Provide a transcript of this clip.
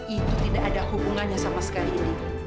itu tidak ada hubungannya sama sekali